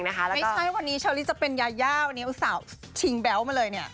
ไม่ใช่วันนี้เชอรี่จะเป็นยาย่าวันนี้อุตส่าห์ชิงแบ๊วมาเลยเนี่ย